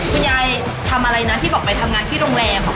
คุณยายทำอะไรนะที่บอกไปทำงานที่โรงแรม